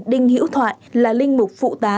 đinh hiễu thoại là linh mục phụ tá